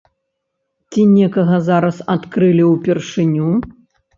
Ці некага зараз адкрывалі ўпершыню?